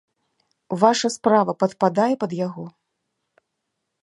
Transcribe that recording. Ваша справа падпадае пад яго?